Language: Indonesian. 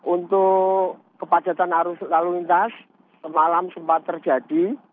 untuk kepadatan arus lalu lintas semalam sempat terjadi